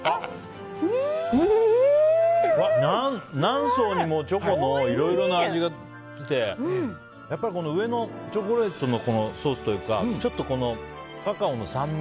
何層にもチョコのいろいろな味がして上のチョコレートのソースというかちょっとカカオの酸味。